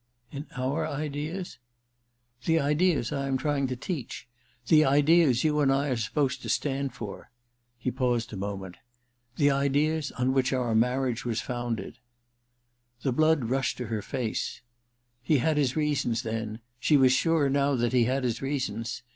* In our ideas ?'' The ideas I am trying to teach. The ideas you and I are supposed to stand for.' He paused a moment. ^The ideas on which our marriage was founded.' I THE RECKONING 205 The blood rushed to her face. He had his reasons, then — she was sure now that he had his reasons